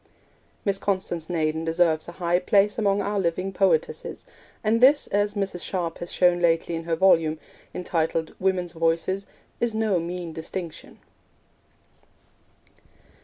Miss Constance Naden deserves a high place among our living poetesses, and this, as Mrs. Sharp has shown lately in her volume, entitled Women's Voices, is no mean distinction.